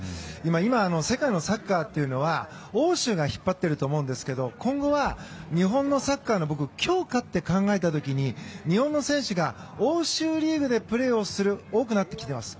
今、世界のサッカーというのは欧州が引っ張っていると思うんですけど今後は日本のサッカーの強化と考えた時に日本の選手が欧州リーグでプレーをすることが多くなってきています。